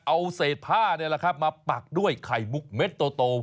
เอาเศษผ้ามาปักด้วยไข่มุกเม็ดโต